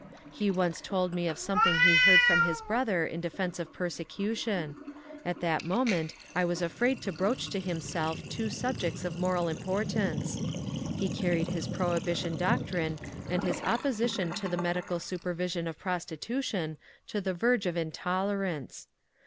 He once told me of something he heard from his brother in defence of persecution ; at that moment I was afraid to broach to himself two subjects of moral importance : he carried his prohibition doctrine and his opposition to the medical supervision of prostitution to the verge of intolerance.